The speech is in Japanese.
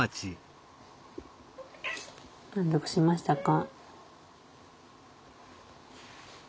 満足しましたか？